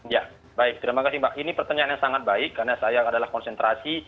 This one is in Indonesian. ya baik terima kasih mbak ini pertanyaan yang sangat baik karena saya adalah konsentrasi